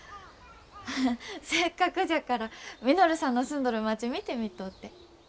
ハハッせっかくじゃから稔さんの住んどる町見てみとうて。